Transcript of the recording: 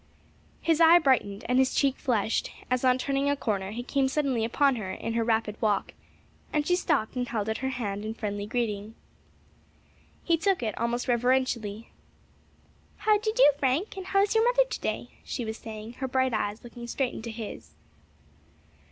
His eye brightened and his cheek flushed, as on turning a corner, he came suddenly upon her in her rapid walk, and she stopped and held out her hand in friendly greeting. He took it almost reverentially. "How d'ye do, Frank? and how is your mother to day?" she was saying, her bright eyes looking straight into his.